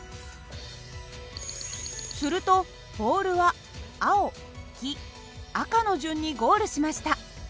するとボールは青黄色赤の順にゴールしました。